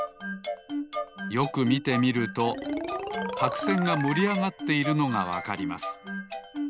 よくみてみるとはくせんがもりあがっているのがわかります